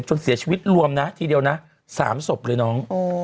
จนเสียชีวิตรวมนะทีเดียวนะ๓ศพเลยน้อง